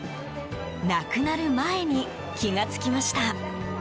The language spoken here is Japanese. なくなる前に気が付きました。